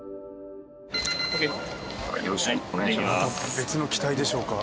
別の機体でしょうか？